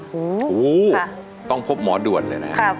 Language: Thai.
โอ้โหต้องพบหมอด่วนเลยนะครับ